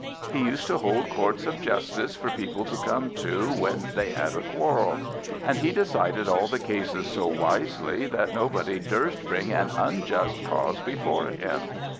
He used to hold courts of justice for people to come to when they had a quarrel; and he decided all the cases so wisely that nobody durst bring an unjust cause before him.